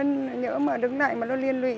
nhớ mà đứng lại mà nó liên lụy